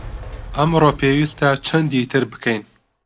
ئەمڕۆ پێویستە چەندی تر بکەین؟